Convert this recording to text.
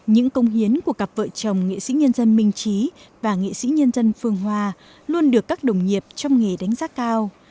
những công hiến của cặp vợ chồng nghệ sĩ nhân dân minh trí và nghệ sĩ nhân dân phương hoa luôn được các đồng nghiệp trong nghề đánh giá cao